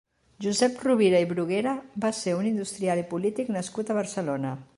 Josep Rovira i Bruguera va ser un industrial i polític nascut a Barcelona.